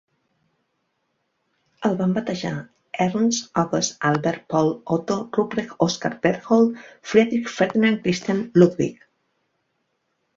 El van batejar "Ernst August Albert Paul Otto Rupprecht Oskar Berthold Friedrich-Ferdinand Christian-Ludwig".